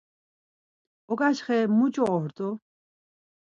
Oǩaçxe muç̌o ort̆u?